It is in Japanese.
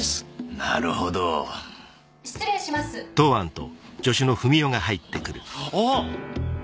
なるほど・失礼します・あっ！